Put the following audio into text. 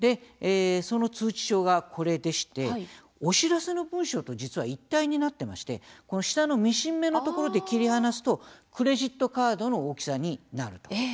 その通知書が、これでしてお知らせの文書と実は一体になっていましてこの下のミシン目のところで切り離すと、クレジットカードの大きさになると。